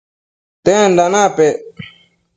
tenda napec?